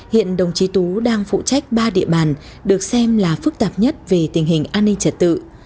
hiện đồng chí tú đang phụ trách ba địa bàn được xem là phức tạp nhất về tình hình an ninh trật tự